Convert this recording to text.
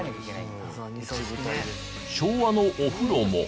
昭和のお風呂も。